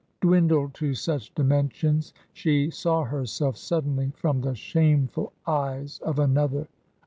Dwindled to such dimensions, she saw herself sud denly from the shameful eyes of another.